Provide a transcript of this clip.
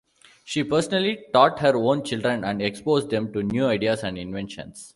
She personally taught her own children and exposed them to new ideas and inventions.